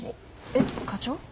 えっ課長？